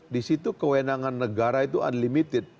disitu kewenangan negara itu unlimited